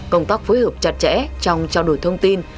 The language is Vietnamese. công tác phối hợp chặt chẽ trong trao đổi thông tin